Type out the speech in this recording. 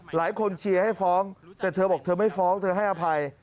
เชียร์ให้ฟ้องแต่เธอบอกเธอไม่ฟ้องเธอให้อภัย